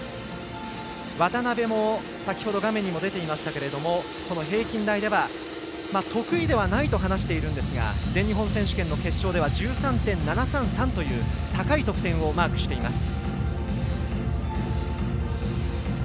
渡部も先ほど画面にも出ていましたが平均台では得意ではないと話しているんですが全日本選手権の決勝では１３．７３３という高い得点をマークしています。